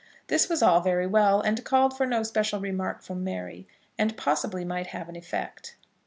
This was all very well, and called for no special remark from Mary, and possibly might have an effect.